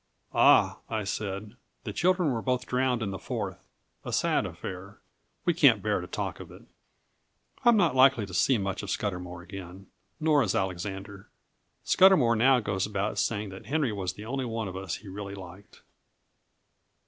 "Ah," I said, "the children were both drowned in the Forth; a sad affair we can't bear to talk of it." I am not likely to see much of Scudamour again, nor is Alexander. Scudamour now goes about saying that Henry was the only one of us he really liked.